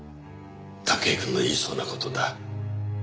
武井くんの言いそうな事だ。